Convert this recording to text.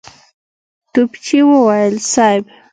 توپچي وويل: صېب!